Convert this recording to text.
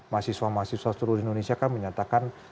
mahasiswa mahasiswa seluruh indonesia kan menyatakan